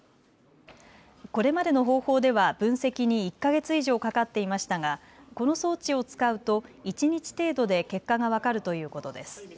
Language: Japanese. これまでの方法では分析に１か月以上かかっていましたがこの装置を使うと一日程度で結果が分かるということです。